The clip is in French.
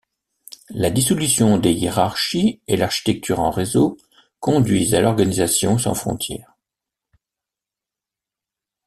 La dissolution des hiérarchies et l’architecture en réseau conduisent à l’organisation sans frontière.